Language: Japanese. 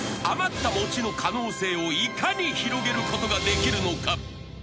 ［余った餅の可能性をいかに広げることができるのか］